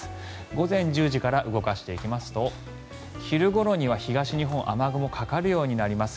午前１０時から動かしていきますと昼ごろには東日本雨雲がかかるようになります。